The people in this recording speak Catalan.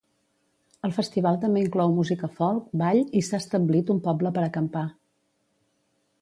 El festival també inclou música folk, ball i s'ha establit un poble per acampar.